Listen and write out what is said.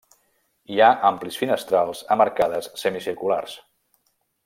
Hi ha amplis finestrals amb arcades semicirculars.